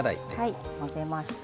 はい混ぜました。